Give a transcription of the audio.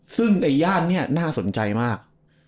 ซึ่งในย่านนี้น่าสนใจมาก